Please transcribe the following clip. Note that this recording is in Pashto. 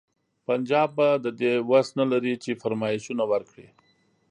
پنجاب به د دې وس نه لري چې فرمایشونه ورکړي.